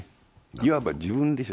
いわば自分ですよ。